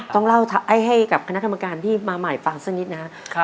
ต้องเล่าให้กับคณะกรรมการที่มาใหม่ฟังสักนิดนะครับ